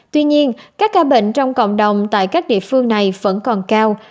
tuy nhiên các ca bệnh trong cộng đồng tại các địa phương này vẫn còn cao